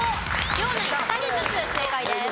両ナイン２人ずつ正解です。